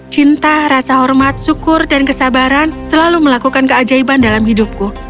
cinta rasa hormat syukur dan kesabaran selalu melakukan keajaiban dalam hidupku